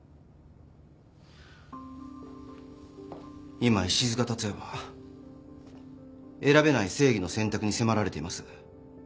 今石塚辰也は選べない正義の選択に迫られています。